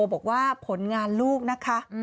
บอกว่าผลงานลูกนะคะ